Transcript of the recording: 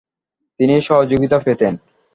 তিনি সহযোগিতা পেতেন ।